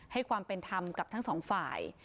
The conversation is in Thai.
ให้ความเป็นธรรมกับทั้งสองฝ่าย